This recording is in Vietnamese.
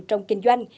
trong kinh doanh